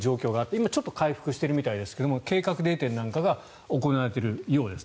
今、ちょっと回復したようですが計画停電なんかが行われているようです。